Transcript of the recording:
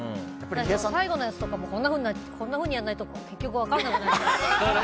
私、最後のやつとかこんなふうにやらないと結局分からなくなっちゃって。